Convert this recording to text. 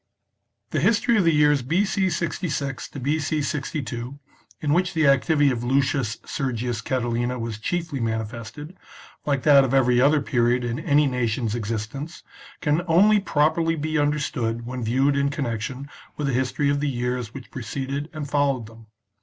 The history of the years B.C. 66 to B.C. 62, in which the activity of Lucius Sergius Catilina was chiefly manifested, Hke that of every other period in any nation's existence, can only properly be understood when viewed in connection with the history of the years which preceded and followed them.